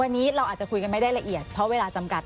วันนี้เราอาจจะคุยกันไม่ได้ละเอียดเพราะเวลาจำกัด